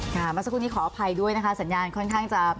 เมื่อสักครู่นี้ขออภัยด้วยนะคะสัญญาณค่อนข้างจะ